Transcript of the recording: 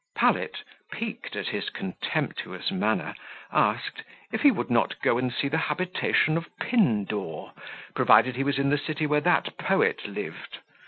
Pallet, piqued at his contemptuous manner, asked, "if he would not go and see the habitation of Pindoor, provided he was in the city where that poet lived?"